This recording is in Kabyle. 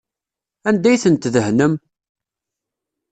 Anda ay ten-tdehnem?